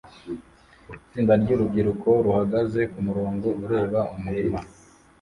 Itsinda ryurubyiruko ruhagaze kumurongo ureba umurima